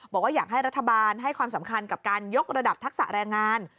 บอกว่าอยากให้รัฐบาลให้ความสำคัญกับการยกระดับทักษะแรงงาน